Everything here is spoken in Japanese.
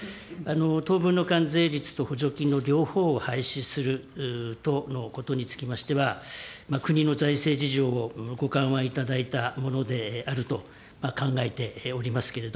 当分の関税率と補助金の両方を廃止するとのことにつきましては、国の財政事情をごかんわいただいたものであると考えております。